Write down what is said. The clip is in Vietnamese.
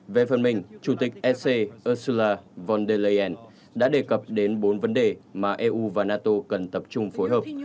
về phần mình chủ tịch ec ursula von der leyen đã đề cập đến bốn vấn đề mà eu và nato cần tập trung phối hợp